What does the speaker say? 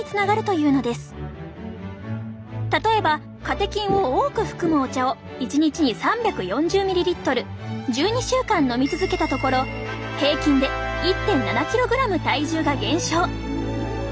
例えばカテキンを多く含むお茶を１日に３４０ｍｌ１２週間飲み続けたところ平均で１．７ｋｇ体重が減少。